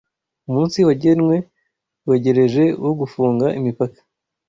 Umunsi wagenwe wegereje wo gufunga imipaka.